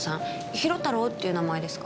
広太郎っていう名前ですか？